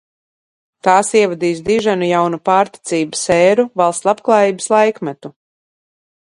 Tās ievadīs diženu jaunu pārticības ēru, valsts labklājības laikmetu!